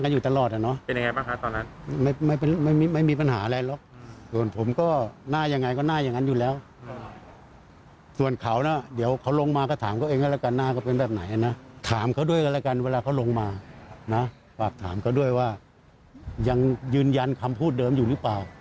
ยังยืนยันคำพูดเดิมอยู่หรือเปล่า